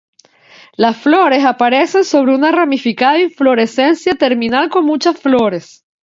Las flores aparecen sobre una ramificada inflorescencia terminal con muchas flores.